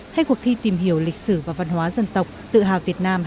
hay cuộc thi tìm hiểu lịch sử và văn hóa dân tộc tự hào việt nam hai nghìn một mươi chín